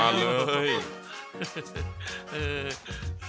มาเลย